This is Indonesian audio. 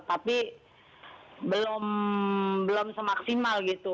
tapi belum semaksimal gitu